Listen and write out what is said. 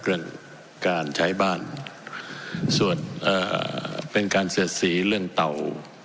เรื่องการใช้บ้านส่วนเอ่อเป็นการเสียดสีเรื่องเต่า